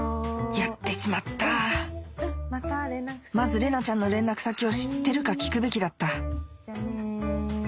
やってしまったまず玲奈ちゃんの連絡先を知ってるか聞くべきだったじゃあね。